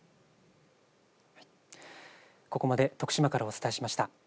ここまで徳島からお伝えしました。